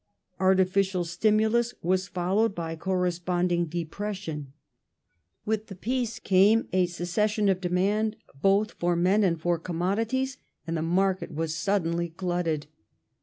Artificial stimulus was followed by corresponding de pression. With the Peace came a cessation of demand both for men and for commodities, and the market was suddenly glutted.